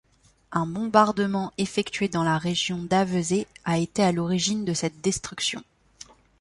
Un bombardement effectué dans la région d'Avezé a été à l'origine de cette destruction.